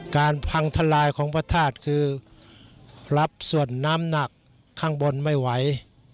พังทลายของพระธาตุคือรับส่วนน้ำหนักข้างบนไม่ไหว